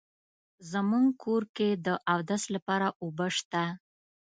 زمونږ کور کې د اودس لپاره اوبه شته